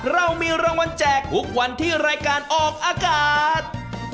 เรามีรางวัลแจกทุกวันที่รายการออกอากาศ